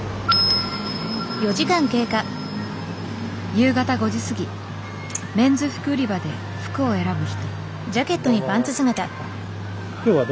夕方５時過ぎメンズ服売り場で服を選ぶ人。